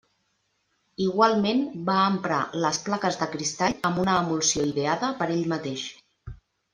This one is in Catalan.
Igualment va emprar les plaques de cristall amb una emulsió ideada per ell mateix.